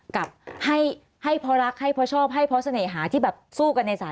กับให้พอรักให้พอชอบให้พอเสน่หาที่แบบสู้กันในศาล